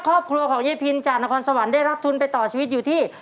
ครอบครัวของยายพินจากนครสวรรค์ได้รับทุนไปต่อชีวิตอยู่ที่